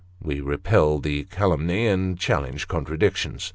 We repel the calumny, and challenge contradiction.